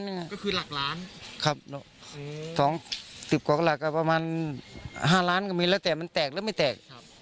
ก็คือหลักล้านครับสองสิบกว่าก็หลักประมาณห้าล้านกว่ามีแล้วแต่มันแตกแล้วไม่แตก